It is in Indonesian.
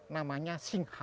namanya singha asari